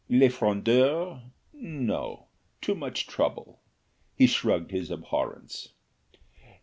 Le Frondeur? no; too much trouble; he shrugged his abhorrence.